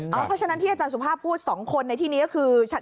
เพราะฉะนั้นที่อาจารย์สุภาพพูด๒คนในที่นี้ก็คือชัด